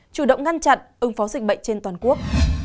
chủ động ngăn chặn ứng phó dịch bệnh trên toàn quốc